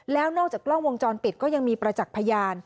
แล้วนอกจากกล้องวงจรปิดก็ยังมีประจักษ์พยาน